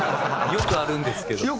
よくあるんですか？